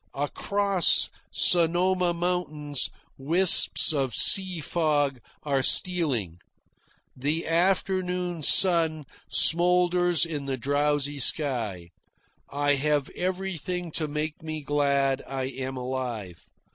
Across Sonoma Mountain wisps of sea fog are stealing. The afternoon sun smoulders in the drowsy sky. I have everything to make me glad I am alive.